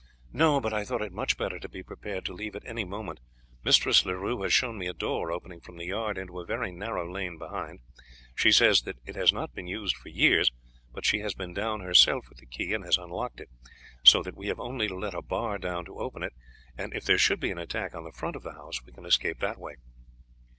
"No; but I thought it much better to be prepared to leave at any moment. Mistress Leroux has shown me a door opening from the yard into a very narrow lane behind. She says that it has not been used for years, but she has been down herself with the key and has unlocked it, so that we have only to let a bar down to open it, and if there should be an attack on the front of the house we can escape that way."